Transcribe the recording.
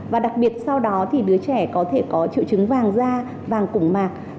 và đặc biệt sau đó thì đứa trẻ có thể có triệu chứng vàng da vàng củng mạc